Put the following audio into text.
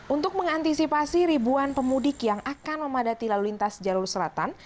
untuk mengantisipasi ribuan pemudik yang akan memadati lalu lintas jalur selatan